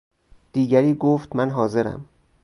دیگری گفت من حاضرم